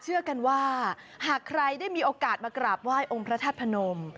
เชื่อกันว่าหากใครได้มีโอกาสมากราบไหว้องค์พระธาตุพนม